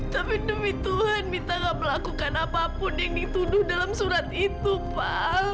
tapi demi tuhan minta melakukan apapun yang dituduh dalam surat itu pak